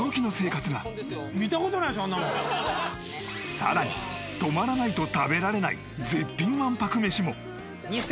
さらに泊まらないと食べられない絶品１泊メシも。